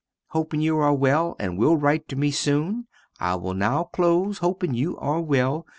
Hoping you are well and will rite to me soon I will now close hoping you are well.